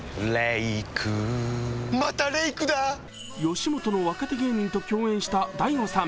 吉本の若手芸人と共演した大悟さん。